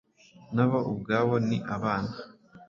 nabo ubwabo ni abana